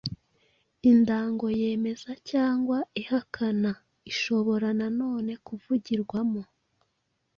indango yemeza cyangwa ihakana. Ishobora nanone kuvugirwamo